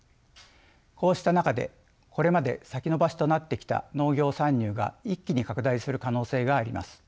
こうした中でこれまで先延ばしとなってきた農業参入が一気に拡大する可能性があります。